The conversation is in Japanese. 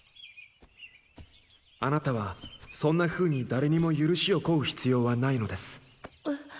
あなたはそんなふうに誰にも許しを請う必要はないのです。え？